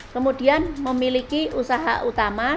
kemudian memiliki usaha yang cukup berpengaruh